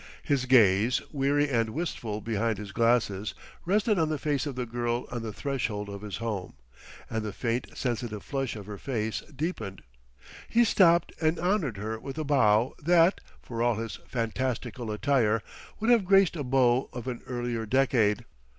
His gaze, weary and wistful behind his glasses, rested on the face of the girl on the threshold of his home; and the faint, sensitive flush of her face deepened. He stopped and honored her with a bow that, for all his fantastical attire, would have graced a beau of an earlier decade.